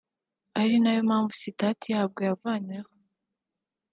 ari nayo mpamvu sitati yabwo yavanweho